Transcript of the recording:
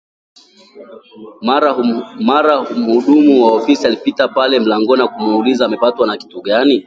Mara mhudumu wa ofisi alipita pale mlangoni na kumuuliza amepatwa na kitu gani